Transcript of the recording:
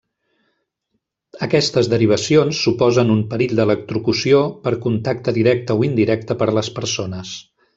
Aquestes derivacions suposen un perill d'electrocució per contacte directe o indirecte per les persones.